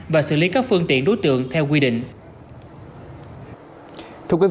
và xử lý các phương tiện đối tượng theo quy định